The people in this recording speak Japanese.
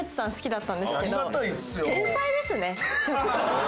天才ですねちょっと。